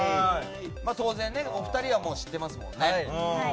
当然、お二人は知ってますもんね。